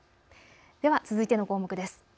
では続いての項目です。